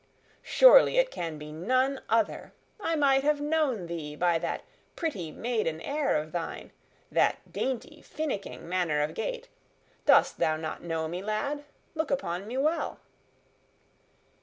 "Surely, it can be none other! I might have known thee by that pretty maiden air of thine that dainty, finicking manner of gait. Dost thou not know me, lad? Look upon me well."